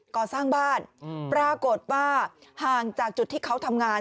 ก่อสร้างบ้านปรากฏว่าห่างจากจุดที่เขาทำงาน